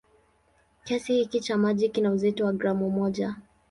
Kiasi hiki cha maji kina uzito wa gramu moja.